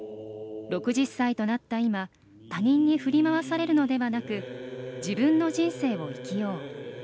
６０歳となった今他人に振り回されるのではなく自分の人生を生きよう。